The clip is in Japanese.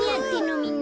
みんな。